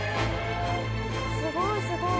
すごいすごい。